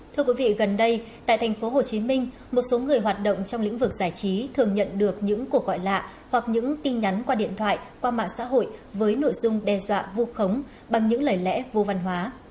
thưa quý vị gần đây tại tp hcm một số người hoạt động trong lĩnh vực giải trí thường nhận được những cuộc gọi lạ hoặc những tin nhắn qua điện thoại qua mạng xã hội với nội dung đe dọa vô khống bằng những lời lẽ vô văn hóa